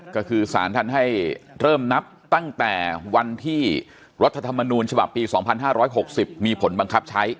ก็คือสารท่านให้เริ่มนับตั้งแต่วันที่รัฐธรรมนูญฉบับปี๒๕๖๐มีผลบังคับใช้